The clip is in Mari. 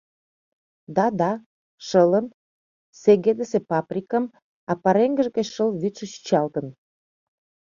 Да-да, шылым, Сегедысе паприкым, а пареҥгыж гыч шыл вӱдшӧ чӱчалтын.